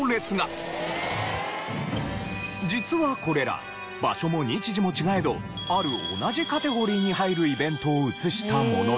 実はこれら場所も日時も違えどある同じカテゴリーに入るイベントを映したもので。